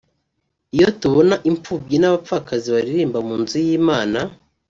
Iyo tubona impfubyi n’abapfakazi baririmba mu nzu y’Imana